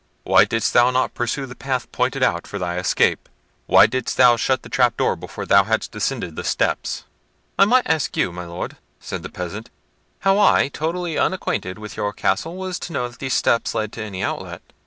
Why didst thou not pursue the path pointed out for thy escape? Why didst thou shut the trap door before thou hadst descended the steps?" "I might ask you, my Lord," said the peasant, "how I, totally unacquainted with your castle, was to know that those steps led to any outlet?